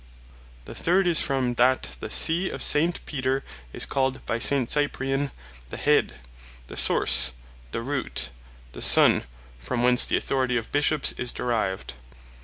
The third, is, from that the Sea of S. Peter is called by S. Cyprian, the Head, the Source, the Roote, the Sun, from whence the Authority of Bishops is derived.